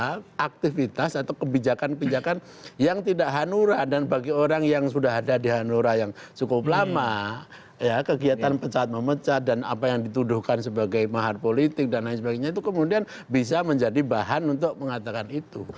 karena aktivitas atau kebijakan kebijakan yang tidak hanura dan bagi orang yang sudah ada di hanura yang cukup lama ya kegiatan pecat memecat dan apa yang dituduhkan sebagai mahar politik dan lain sebagainya itu kemudian bisa menjadi bahan untuk mengatakan itu